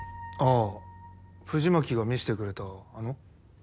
ああ藤巻が見せてくれたあの？